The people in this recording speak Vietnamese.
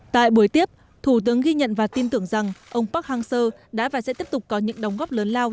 tại buổi tiếp thủ tướng ghi nhận và tin tưởng rằng ông park hang seo đã và sẽ tiếp tục có những đóng góp lớn lao